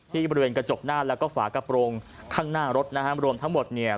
บริเวณกระจกหน้าแล้วก็ฝากระโปรงข้างหน้ารถนะฮะรวมทั้งหมดเนี่ย